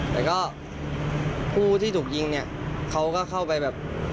แต่ก็ผู้ที่ถูกยิงเนี่ยเขาก็เข้าไปแบบ